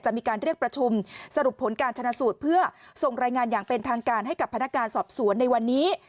มีการเรียกประชุมสรุปผลการชนะสูตรเพื่อส่งรายงานอย่างเป็นทางการให้กับพนักการสอบสวนในวันนี้